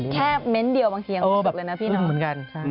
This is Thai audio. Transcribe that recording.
แค่เม้นเดียวบางทีจะตุก